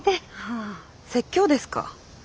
あ説教ですか。